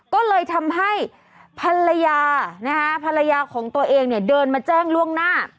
ก็เลยทำให้ภรรยานะฮะภรรยาของตัวเองเนี่ยเดินมาแจ้งล่วงหน้า